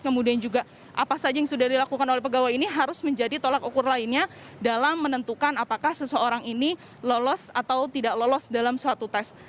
kemudian juga apa saja yang sudah dilakukan oleh pegawai ini harus menjadi tolak ukur lainnya dalam menentukan apakah seseorang ini lolos atau tidak lolos dalam suatu tes